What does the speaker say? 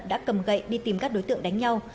đã cầm gậy đi tìm các đối tượng đánh nhau